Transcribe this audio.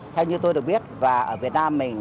theo như tôi được biết và ở việt nam mình